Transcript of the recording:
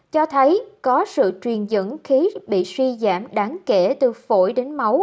cho thấy có sự truyền dẫn khí bị suy giảm đáng kể từ phổi đến máu